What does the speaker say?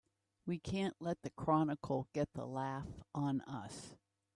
We can't let the Chronicle get the laugh on us!